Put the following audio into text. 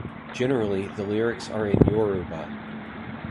Generally, the lyrics are in Yoruba.